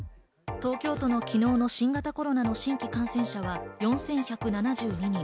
東京都の昨日の新型コロナの新規感染者は４１７２人。